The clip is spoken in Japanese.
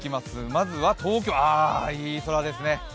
まずは東京、ああ、いい空ですね。